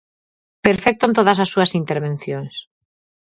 Perfecto en todas as súas intervencións.